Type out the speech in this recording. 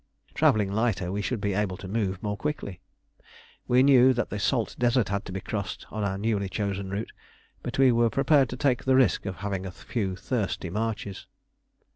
Travelling lighter, we should be able to move more quickly. We knew that the Salt Desert had to be crossed on our newly chosen route, but we were prepared to take the risk of having a few thirsty marches.